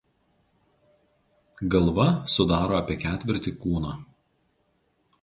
Galva sudaro apie ketvirtį kūno.